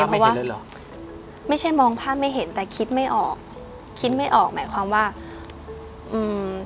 เพราะว่าไม่ใช่มองภาพไม่เห็นแต่คิดไม่ออกคิดไม่ออกหมายความว่าอืม